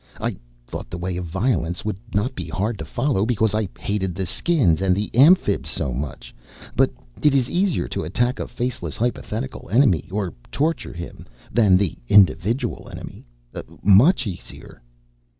I thought the way of Violence would not be hard to follow because I hated the Skins and the Amphibs so much. But it is easier to attack a faceless, hypothetical enemy, or torture him, than the individual enemy. Much easier."